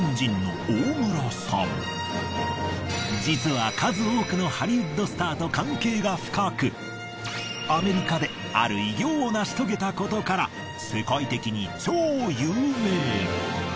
実は数多くのハリウッドスターと関係が深くアメリカである偉業を成し遂げたことから世界的に超有名。